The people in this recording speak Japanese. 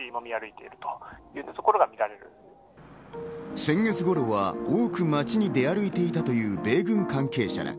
先月頃は多く街に出歩いていたという米軍関係者ら。